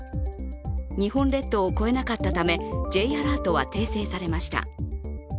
日本列島を越えなかったためＪアラートは訂正されました。